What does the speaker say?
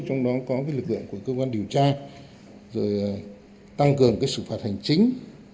trong đó có lực lượng của cơ quan điều tra rồi tăng cường sự phạt hành chính